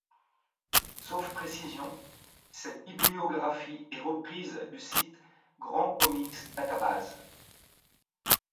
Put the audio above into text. Sauf précision, cette bibliographie est reprise du site Grand Comics Database.